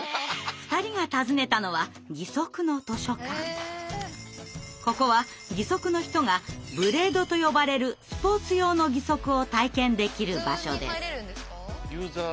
２人が訪ねたのはここは義足の人が「ブレード」と呼ばれるスポーツ用の義足を体験できる場所です。